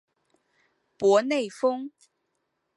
博内丰。